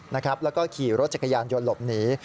แล้วก็ขี่รถจักรยานยนต์หลบหนี